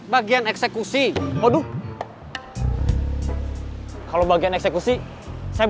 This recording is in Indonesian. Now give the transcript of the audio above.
bagian eksekusi waduh kalau bagian eksekusi saya